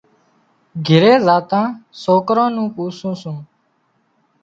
گھِري زاتان سوڪران نُون پوسُون سُون۔